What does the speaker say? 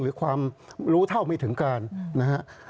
หรือความรู้เท่าไม่ถึงการนะฮะ